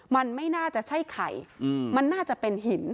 มันไม่น่าจะใช่ไข่มันน่าจะเป็นหิน